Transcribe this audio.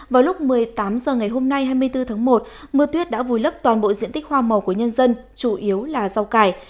vào lúc một mươi tám h ngày hôm nay hai mươi bốn tháng một mưa tuyết đã vùi lấp toàn bộ diện tích hoa màu của nhân dân chủ yếu là rau cải